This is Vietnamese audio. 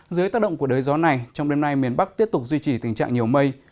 dưới tác động của đới gió này trong đêm nay miền bắc tiếp tục duy trì tình trạng nhiều mây